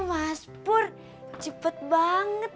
mas pur cepet banget